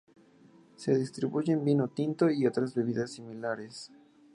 Se distribuyen vino tinto y otras bebidas similares.